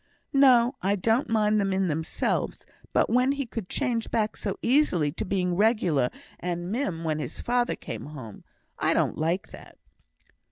"No! I don't mind them in themselves; but when he could change back so easily to being regular and mim when his father came home, I don't like that."